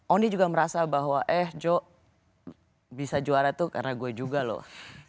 ondi juga merasa bahwa eh joe bisa juara tuh karena gue juga loh